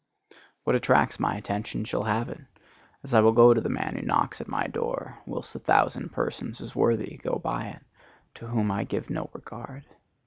What attracts my attention shall have it, as I will go to the man who knocks at my door, whilst a thousand persons as worthy go by it, to whom I give no regard.